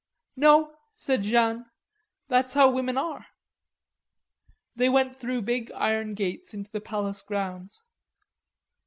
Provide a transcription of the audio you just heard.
"No," said Jeanne, "that's how women are." They went through big iron gates into the palace grounds.